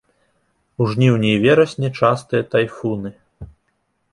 У жніўні і верасні частыя тайфуны.